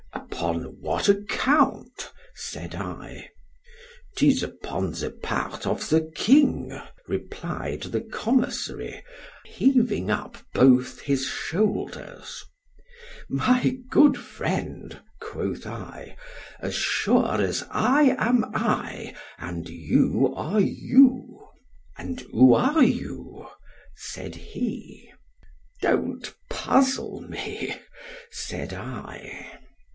Upon what account? said I.——'Tis upon the part of the king, replied the commissary, heaving up both his shoulders—— ——My good friend, quoth I——as sure as I am I—and you are you—— ——And who are you? said he.—— ——Don't puzzle me; said I.